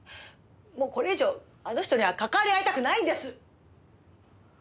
もうこれ以上あの人にはかかわり合いたくないんです！